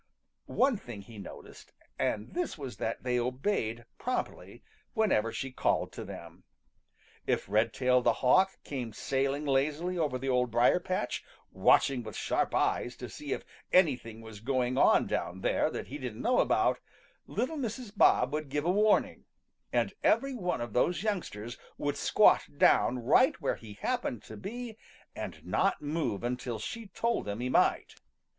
One thing he noticed, and this was that they obeyed promptly whenever she called to them. If Redtail the Hawk came sailing lazily over the old Briar patch, watching with sharp eyes to see if anything was going on down there that he didn't know about, little Mrs. Bob would give a warning, and every one of those youngsters would squat down right where he happened to be and not move until she told him he might.